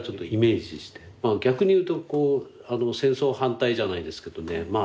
逆にいうと戦争反対じゃないですけどね